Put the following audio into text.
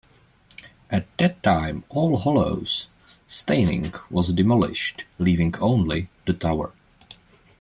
At that time All Hallows Staining was demolished, leaving only the tower.